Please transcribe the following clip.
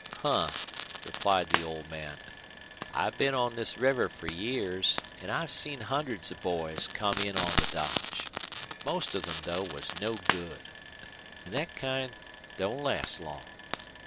"Huh," replied the old man. "I've been on this river fer years, an' I've seen hundreds of boys come in on the dodge. Most of them, though, was no good. An' thet kind don't last long.